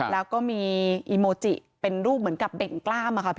แล้วก็มีอีโมจิเป็นรูปเด็งกล้าม